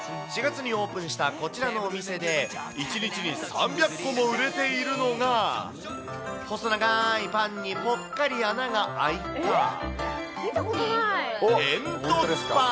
４月にオープンしたこちらのお店で、１日に３００個も売れているのが、細長ーいパンにぽっかり穴が開いた煙突パン。